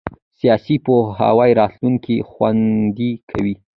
سیاسي پوهاوی راتلونکی خوندي کوي